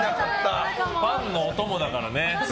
パンのお供だからね。